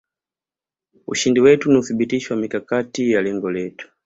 ushindi wetu ni uthibitisho wa mikakati ya lengo letu